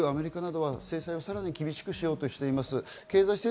ＥＵ、アメリカなどは制裁をさらに厳しくしようとしています。